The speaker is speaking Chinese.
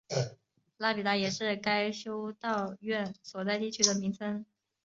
拉比达也是该修道院所在地区的名称。